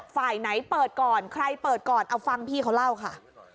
ฝ่ายไหนเปิดก่อนใครเปิดก่อนเอาฟังพี่เขาเล่าค่ะ